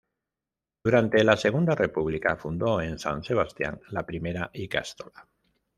Durante la Segunda República fundó en San sebastián la primera ikastola.